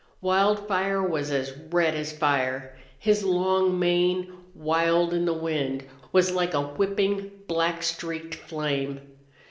Wildfire was as red as fire. His long mane, wild in the wind, was like a whipping, black streaked flame.